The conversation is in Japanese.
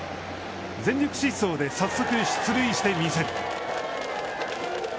全力疾走で、早速出塁してみせる。